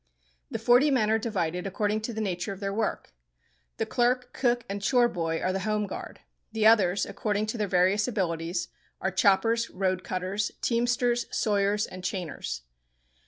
The forty men are divided according to the nature of their work. The clerk, cook, and chore boy are the "home guard." The others, according to their various abilities, are choppers, road cutters, teamsters, sawyers, and chainers.